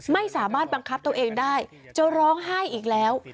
ไม่สามารถบังคับตัวเองได้จะร้องไห้อีกแล้ว